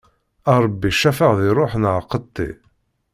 A Ṛebbi cafeɛ di ṛṛuḥ neɣ qeṭṭi!